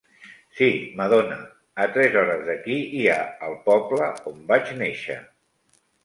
Sí, madona; a tres hores d’aquí hi ha el poble on vaig nàixer.